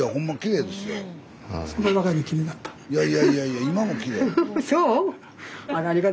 いやいやいや今もキレイ。